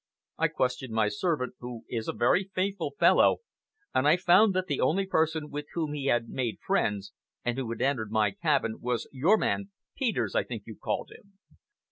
I questioned my servant, who is a very faithful fellow, and I found that the only person with whom he had made friends, and who had entered my cabin, was your man, Peters I think you called him."